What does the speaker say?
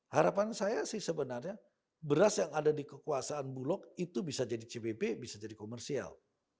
harapan saya sih sebenarnya beras yang ada di kekuasaan bulog itu bisa jadi cbp bisa jadi komersial